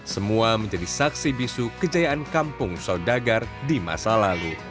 semua menjadi saksi bisu kejayaan kampung saudagar di masa lalu